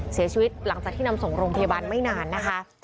เสียชีวิตหลังจากที่นำส่งโรงพยาบาลไม่นานนะคะ